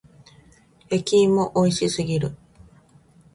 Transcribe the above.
焼き芋美味しすぎる。